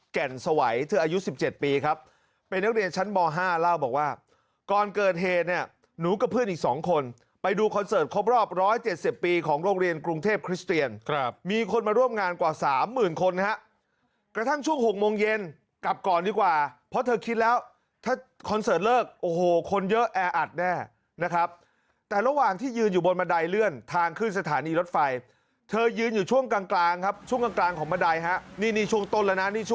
แก่นสวัยเธออายุ๑๗ปีครับเป็นนักเรียนชั้นบ๕เล่าบอกว่าก่อนเกิดเฮนเนี่ยหนูกับเพื่อนอีก๒คนไปดูคอนเสิร์ตครบรอบ๑๗๐ปีของโรงเรียนกรุงเทพคริสเตียนครับมีคนมาร่วมงานกว่า๓๐๐๐๐คนนะครับกระทั่งช่วง๖โมงเย็นกลับก่อนดีกว่าเพราะเธอคิดแล้วถ้าคอนเสิร์ตเลิกโอ้โหคนเยอะแออัดแน่นะครับแต่ระห